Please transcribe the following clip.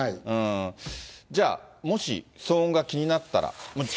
じゃあ、もし騒音が気になったら。